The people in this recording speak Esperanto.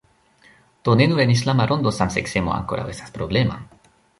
Do ne nur en islama rondo samseksemo ankoraŭ estas problema.